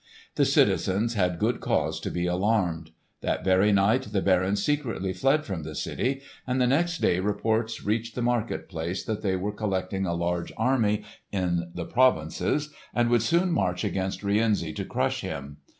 The citizens had good cause to be alarmed. That very night the barons secretly fled from the city, and the next day reports reached the market place that they were collecting a large army in the provinces and would soon march against Rienzi to crush him.